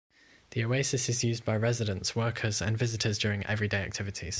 The oasis is used by residents, workers, and visitors during everyday activities.